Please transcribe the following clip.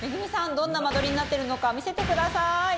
どんな間取りになってるのか見せてください。